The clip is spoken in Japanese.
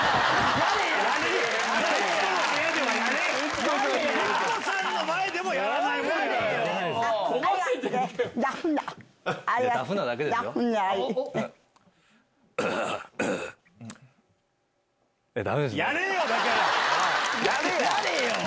やれよ！